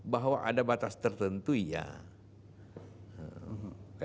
bahwa ada batas tertentu ya